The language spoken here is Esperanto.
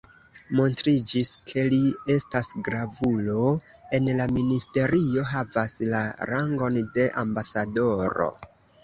Montriĝis, ke li estas gravulo en la ministerio, havas la rangon de ambasadoro.